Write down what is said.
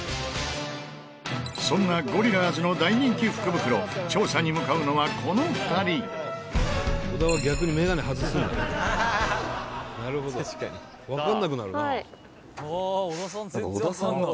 そんなゴリラーズの大人気福袋調査に向かうのはこの２人小田：「さあ」